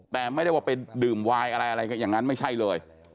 แต่ไม่ได้ว่าไปดื่มวายอะไรอะไรอย่างนั้นไม่ใช่เลย